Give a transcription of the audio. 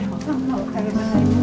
おはようございます。